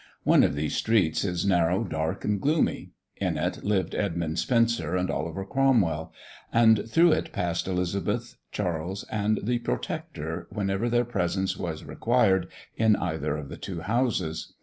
One of these streets is narrow, dark, and gloomy. In it lived Edmund Spenser and Oliver Cromwell, and through it passed Elizabeth, Charles, and the Protector, whenever their presence was required in either of the two houses.